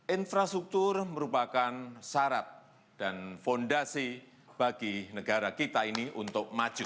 infrastruktur merupakan syarat dan fondasi bagi negara kita ini untuk maju